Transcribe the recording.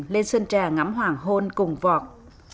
lên sân trà ngắm hoàng hôn cùng vọc